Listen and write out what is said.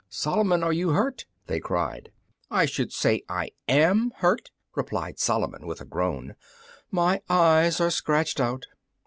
"Solomon! are you hurt?" they cried. "I should say I am hurt!" replied Solomon, with a groan; "my eyes are scratched out!"